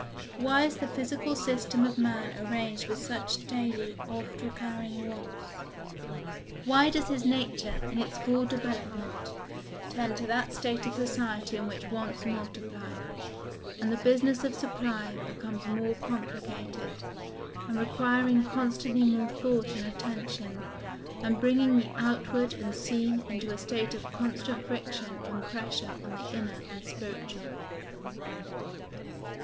Why is the physical system of man arranged with such daily, oft recurring wants? Why does his nature, in its full development, tend to that state of society in which wants multiply, and the business of supply becomes more complicated, and requiring constantly more thought and attention, and bringing the outward and seen into a state of constant friction and pressure on the inner and spiritual?